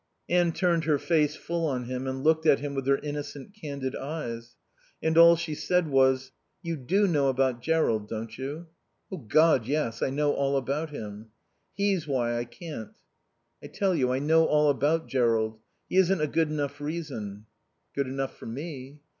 Anne turned her face full on him and looked at him with her innocent, candid eyes. And all she said was, "You do know about Jerrold, don't you?" "Oh God, yes. I know all about him." "He's why I can't." "I tell you, I know all about Jerrold. He isn't a good enough reason." "Good enough for me."